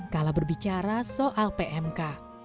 kala berbicara soal pmk